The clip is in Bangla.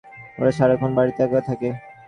ওরা সারাক্ষণ বাড়িতে একা একা থাকে।